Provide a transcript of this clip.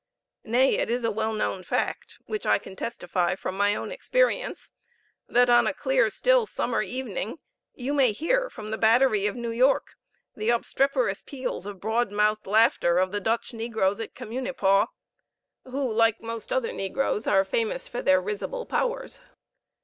Nay, it is a well known fact, which I can testify from my own experience, that on a clear still summer evening you may hear from the battery of New York the obstreperous peals of broad mouthed laughter of the Dutch negroes at Communipaw, who, like most other negroes, are famous for their risible powers.